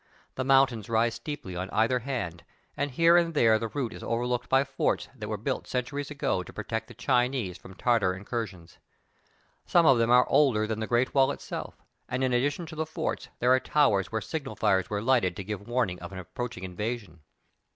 The moun tains rise steeply on either hand, and here and there the route is overlooked by forts that were built centuries ago to protect the Chinese from Tartar incursions. Some of them are older than the great wall itself, and, in addition to the forts, there are towers where signal fires were lighted to give warning of an approaching invasion.